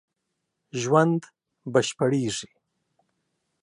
ژوند بشپړېږي